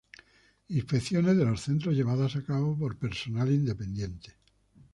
Inspecciones de los centros llevadas a cabo por personal independiente.